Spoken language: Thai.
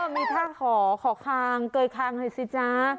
มีท่าขอขอคางเกยคางให้สิจ๊ะ